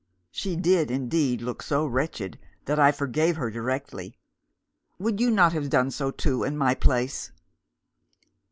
She did indeed look so wretched that I forgave her directly. Would you not have done so too, in my place?